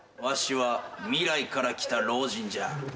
わしは未来から来た老人じゃ。